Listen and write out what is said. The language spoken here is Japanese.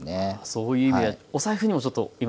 そういう意味でお財布にもちょっと今。